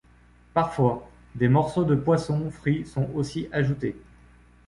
Parfois, des morceaux de poisson frit sont aussi ajoutés.